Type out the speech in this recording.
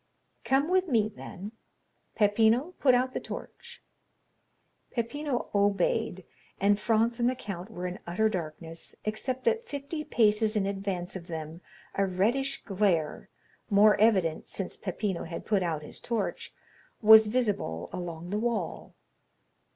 "Come with me, then. Peppino, put out the torch." Peppino obeyed, and Franz and the count were in utter darkness, except that fifty paces in advance of them a reddish glare, more evident since Peppino had put out his torch, was visible along the wall.